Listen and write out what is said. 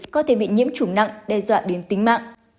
có thể bị nhiễm chủng nặng đe dọa đến tính mạng